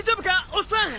おっさん！